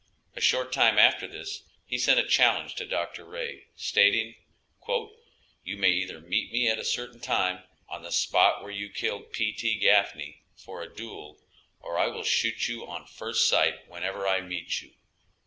A short time after this he sent a challenge to Dr. Ray, stating, "You may either meet me at a certain time, on the spot where you killed P.T. Gafney, for a duel, or I will shoot you on first sight wherever I meet you.